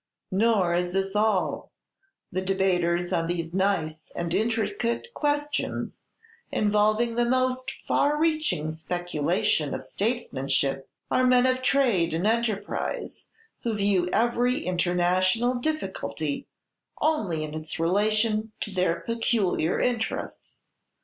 "Nor is this all: the debaters on these nice and intricate questions, involving the most far reaching speculation of statesmanship, are men of trade and enterprise, who view every international difficulty only in its relation to their peculiar interests.